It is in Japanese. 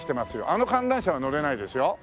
あの観覧車は乗れないですよ。